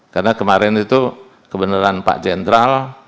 karena kemarin itu kebenaran pak jendral